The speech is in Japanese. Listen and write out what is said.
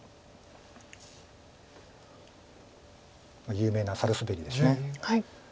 有名なサルスベリです。